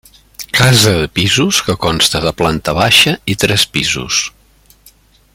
Casa de pisos que consta de planta baixa i tres pisos.